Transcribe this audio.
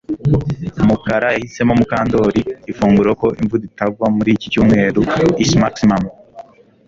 Mukara yahisemo Mukandoli ifunguro ko imvura itagwa muri iki cyumweru ismaximum